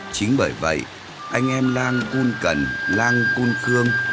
chính bởi vậy anh em lan cun cần lan cun khương